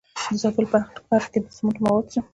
د زابل په اتغر کې د سمنټو مواد شته.